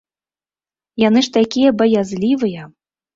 Яны ж такія баязлівыя!